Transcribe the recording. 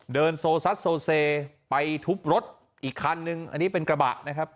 เดินโซซัดโซเซไปทุบรถอีกคันนึงอันนี้เป็นกระบะนะครับ